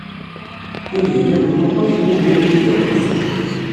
Tinhinan u Muḥ ur temmuger inebgawen.